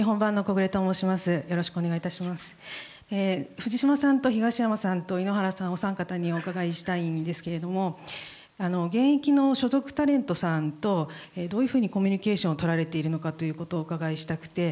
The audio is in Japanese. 藤島さんと東山さんと井ノ原さん、お三方にお伺いしたいんですけども現役の所属タレントさんたちとどういうふうにコミュニケーションを取られているのかをお伺いしたくて。